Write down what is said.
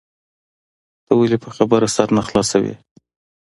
ته ولي په خبره سر نه خلاصوې؟